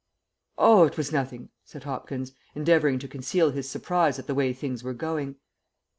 "Oh, it was nothing," said Hopkins, endeavouring to conceal his surprise at the way things were going.